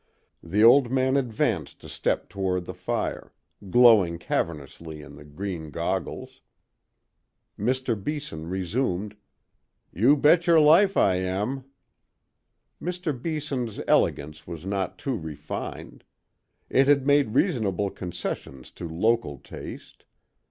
The old man advanced a step toward the fire, glowing cavernously in the green goggles. Mr. Beeson resumed: "You bet your life I am!" Mr. Beeson's elegance was not too refined; it had made reasonable concessions to local taste.